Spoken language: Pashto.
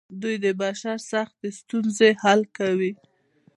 دوی د بشر سختې ستونزې حل کوي.